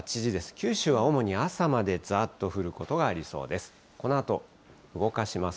九州は主に朝までざっと降ることがありそうです。